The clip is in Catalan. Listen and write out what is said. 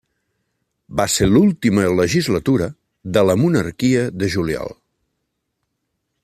Va ser l'última legislatura de la Monarquia de Juliol.